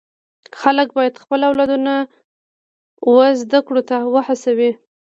خلک باید خپل اولادونه و زده کړو ته و هڅوي.